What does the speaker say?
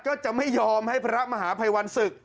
ก็จะไม่ยอมให้พระมหาภัยวันศึก